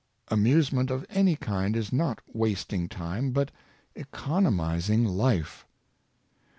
Amusement of any kind is not wasting time, but economizing life.